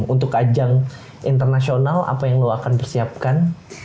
untuk ajang internasional apa yang lo akan persiapkan